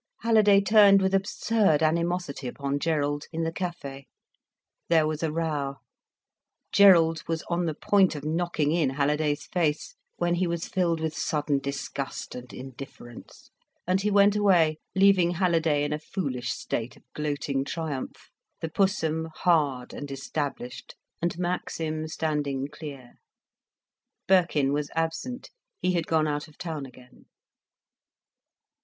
Halliday turned with absurd animosity upon Gerald, in the café. There was a row. Gerald was on the point of knocking in Halliday's face; when he was filled with sudden disgust and indifference, and he went away, leaving Halliday in a foolish state of gloating triumph, the Pussum hard and established, and Maxim standing clear. Birkin was absent, he had gone out of town again.